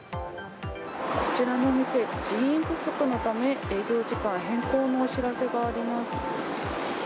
こちらのお店、人員不足のため、営業時間変更のお知らせがあります。